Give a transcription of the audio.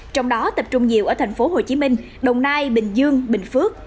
trong đó tập trung nhiều ở tp hcm đồng nai bình dương bình phước